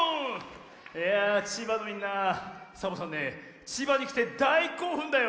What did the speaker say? いやあ千葉のみんなサボさんね千葉にきてだいこうふんだよ！